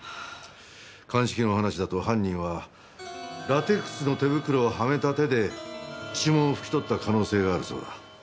鑑識の話だと犯人はラテックスの手袋をはめた手で指紋を拭き取った可能性があるそうだ。